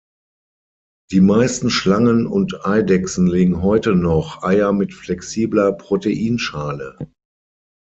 Die meisten Schlangen und Eidechsen legen heute noch Eier mit flexibler Protein-Schale.